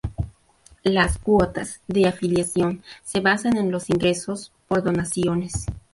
Las cuotas de afiliación se basan en los ingresos por donaciones.